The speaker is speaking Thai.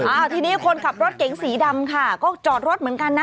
อ่าทีนี้คนขับรถเก๋งสีดำค่ะก็จอดรถเหมือนกันนะ